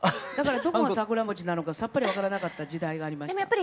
だからどこが桜餅なのかさっぱり分からなかった時代がありました。